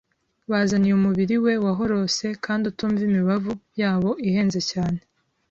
Bazaniye umubiri we wahorose kandi utumva imibavu yabo ihenze cyane